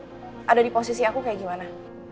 lo udah di posisi aku kayak gimana